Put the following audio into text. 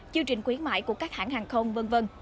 chương trình khuyến mại của các hãng hàng không v v